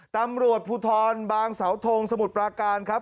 ตำรวจภูทรบางสาวทงสมุทรปราการครับ